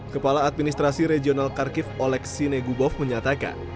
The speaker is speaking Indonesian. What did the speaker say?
kepala administrasi regional karkiv oleg sinegubov menyatakan